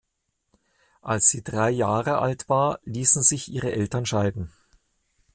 Als sie drei Jahre alt war ließen sich ihre Eltern scheiden.